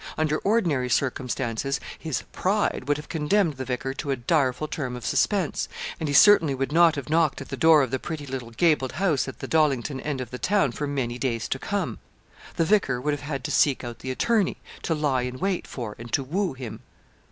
Under ordinary circumstances his 'pride' would have condemned the vicar to a direful term of suspense, and he certainly would not have knocked at the door of the pretty little gabled house at the Dollington end of the town for many days to come. The vicar would have had to seek out the attorney, to lie in wait for and to woo him.